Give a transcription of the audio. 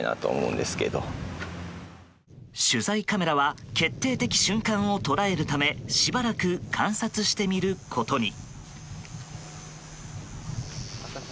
取材カメラは決定的瞬間を捉えるためしばらく観察してみることに。